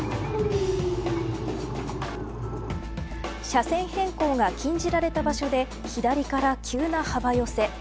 車線変更が禁じられた場所で左から急な幅寄せ。